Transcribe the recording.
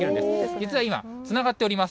実は今、つながっております。